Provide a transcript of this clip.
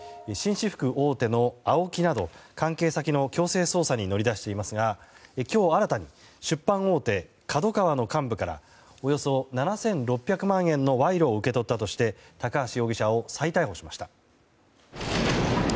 紳士服大手のＡＯＫＩなど関係先の強制捜査に乗り出していますが今日新たに出版大手ＫＡＤＯＫＡＷＡの幹部からおよそ７６００万円の賄賂を受け取ったとして高橋容疑者を再逮捕しました。